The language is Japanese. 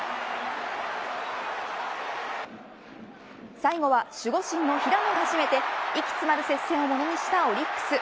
最後は守護神の平野が締めて息詰まる接戦をものにしたオリックス。